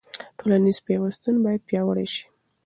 ټولنیز پیوستون باید پیاوړی سي.